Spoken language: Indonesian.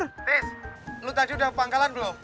tis lo tadi udah ke pangkalan belum